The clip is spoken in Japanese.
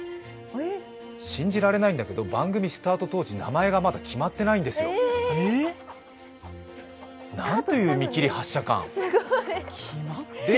信じられないんだけど番組スタート当時、名前がまだ決まってないんですよ。なんていう見切り発車感。